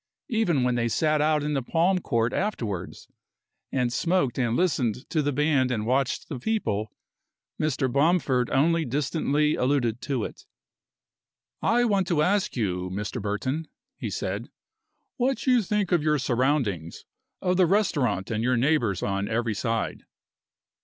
Even when they sat out in the palm court afterwards, and smoked and listened to the band and watched the people, Mr. Bomford only distantly alluded to it. "I want to ask you, Mr. Burton," he said, "what you think of your surroundings of the restaurant and your neighbors on every side?"